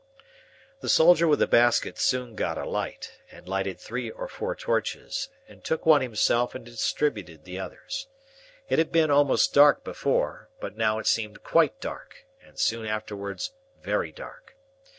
The soldier with the basket soon got a light, and lighted three or four torches, and took one himself and distributed the others. It had been almost dark before, but now it seemed quite dark, and soon afterwards very dark.